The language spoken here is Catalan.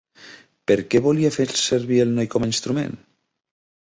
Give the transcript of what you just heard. Per què volia fer servir el noi com a instrument?